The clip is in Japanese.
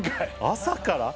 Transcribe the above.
朝から？